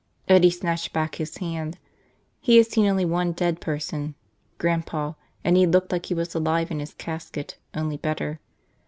Eddie snatched back his hand. He had seen only one dead person – Grandpa, and he had looked like he was alive in his casket, only better.